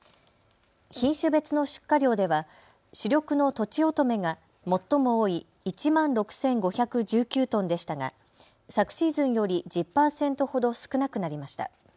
品種別の出荷量では主力のとちおとめが最も多い１万６５１９トンでしたが昨シーズンより１０％ほど少なくなりました。